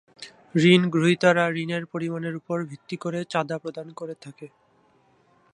ঋণ গ্রহীতারা ঋণের পরিমাণের ওপর ভিত্তি করে চাঁদা প্রদান করে থাকে।